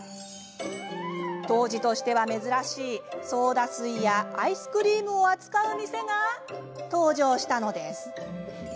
当時としては珍しいソーダ水やアイスクリームを扱う店が登場したのです。